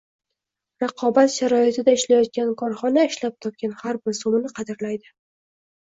Raqobat sharoitida ishlayotgan korxona ishlab topgan har bir so‘mini qadrlaydi